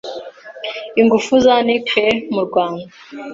ingufu za nucléaire mu Rwanda